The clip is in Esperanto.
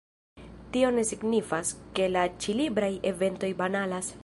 Tio ne signifas, ke la ĉi-libraj eventoj banalas.